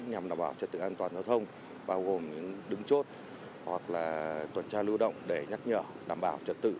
nhằm đảm bảo trật tự an toàn giao thông bao gồm đứng chốt hoặc là tuần tra lưu động để nhắc nhở đảm bảo trật tự